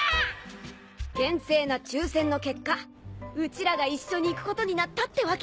厳正な抽選の結果うちらが一緒に行くことになったってわけ。